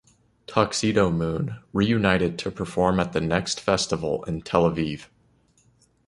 Tuxedomoon reunited to perform at the Next Festival in Tel Aviv.